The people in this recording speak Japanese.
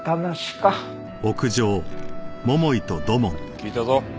聞いたぞ。